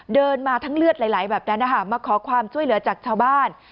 เดินมาทั้งเลือดไหลแบบนั้นนะคะมาขอความช่วยเหลือจากชาวบ้าน